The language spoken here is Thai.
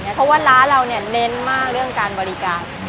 เพราะว่าร้านเราเน้นมากเรื่องการบริการ